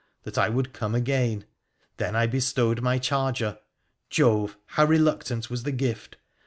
that I would come again ; then I bestowed my charger (Jove ! how reluctant was the gift